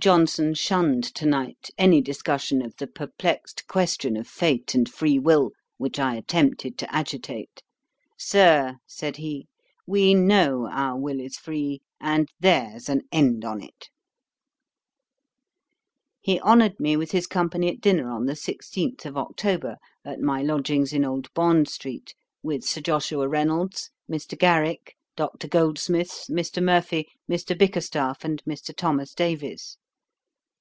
Johnson shunned to night any discussion of the perplexed question of fate and free will, which I attempted to agitate. 'Sir, (said he,) we know our will is free, and there's an end on't.' He honoured me with his company at dinner on the 16th of October, at my lodgings in Old Bond street, with Sir Joshua Reynolds, Mr. Garrick, Dr. Goldsmith, Mr. Murphy, Mr. Bickerstaff, and Mr. Thomas Davies.